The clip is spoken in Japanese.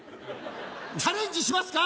チャレンジしますか？